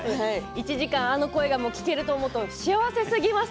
１時間あの声が聞けると思うと幸せすぎます。